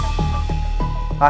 tidak ada apa apa